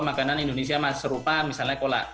makanan indonesia mas serupa misalnya